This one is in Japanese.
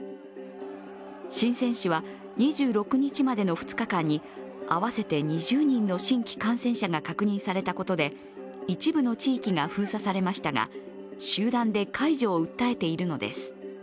深セン市は、２６日までの２日間に合わせて２０人の新規感染者が確認されたことで一部の地域が封鎖されましたが、集団で解除を訴えているのです。